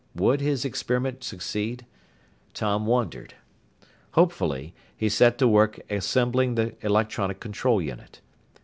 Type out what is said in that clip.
Would his experiment succeed? Tom wondered. Hopefully, he set to work assembling the electronic control unit.